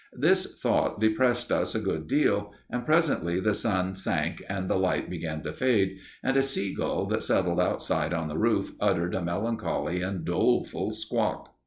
This thought depressed us a good deal, and presently the sun sank and the light began to fade, and a seagull that settled outside on the roof uttered a melancholy and doleful squawk.